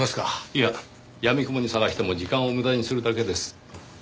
いややみくもに捜しても時間を無駄にするだけです。